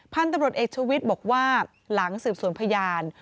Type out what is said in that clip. พันธุ์ตำรวจเอกชวิตบอกว่าหลังสืบสวนพยาน